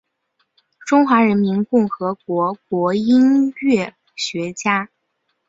中华人民共和国音韵学家。